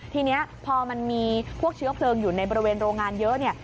ทีนี้พอมันมีพวกเชื้อเพลิงอยู่ในบริเวณโรงงานเยอะเนี่ย